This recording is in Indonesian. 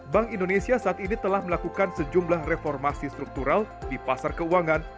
bank indonesia saat ini telah melakukan sejumlah reformasi struktural di pasar keuangan